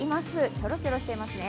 キョロキョロしていますね。